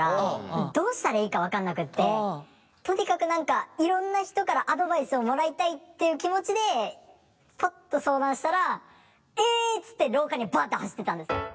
とにかく何かいろんな人からアドバイスをもらいたいっていう気持ちでポッと相談したら「え！」っつって廊下にバッて走ってったんです。